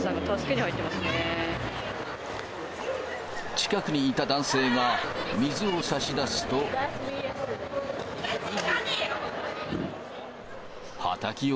近くにいた男性が、水を差しいらねえよ！